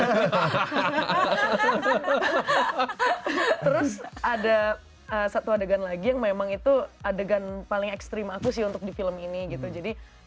terus ada satu adegan lagi yang memang itu adegan paling ekstrim aku sih untuk di film ini gitu jadi